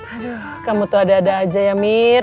aduh kamu tuh ada ada aja ya mir